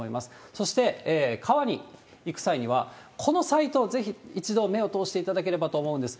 そして、川に行く際には、このサイトをぜひ一度目を通していただければと思うんです。